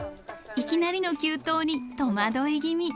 いきなりの急登に戸惑い気味。